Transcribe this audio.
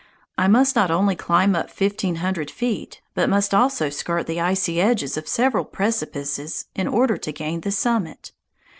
I must not only climb up fifteen hundred feet, but must also skirt the icy edges of several precipices in order to gain the summit.